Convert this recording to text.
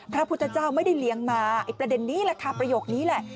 พระพุทธเจ้าไม่ได้เลี้ยงมาไอ้ประเด็นนี้แหละค่ะประโยคนี้แหละ